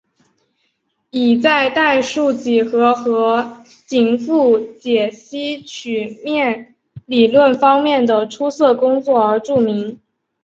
以在代数几何和紧复解析曲面理论方面的出色工作而著名。